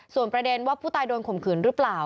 ส่วนประเด็นว่าผู้ตายโดนข่มขืนหรือเปล่า